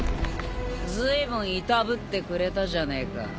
ずいぶんいたぶってくれたじゃねえか。